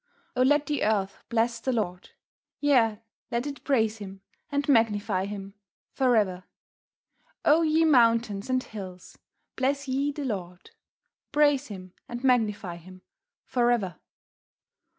O let the Earth Bless the Lord; Yea, let it Praise Him, and Magnify Him for ever. O ye Mountains and Hills, Bless ye the Lord; Praise Him, and Magnify Him for ever.